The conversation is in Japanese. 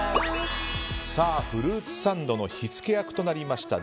フルーツサンドの火付け役となりました